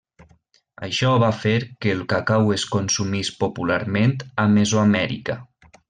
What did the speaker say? Això va fer que el cacau es consumís popularment a Mesoamèrica.